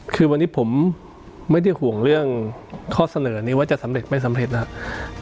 คือวันนี้ผมไม่ได้ห่วงเรื่องข้อเสนอนี้ว่าจะสำเร็จไม่สำเร็จนะครับ